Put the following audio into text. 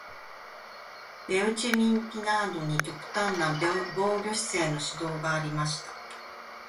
ベウチェミン・ピナードに極端な防御姿勢の指導がありました。